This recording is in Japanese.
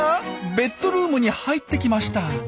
ベッドルームに入ってきました。